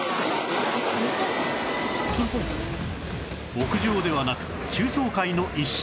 屋上ではなく中層階の一室